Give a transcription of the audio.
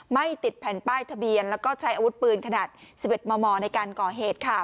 ไม่ติดแผ่นป้ายทะเบียนแล้วก็ใช้อาวุธปืนขนาด๑๑มมในการก่อเหตุค่ะ